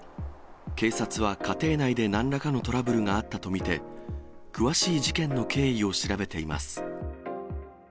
警察は家庭内でなんらかのトラブルがあったと見て、詳しい事件の経緯を調べています。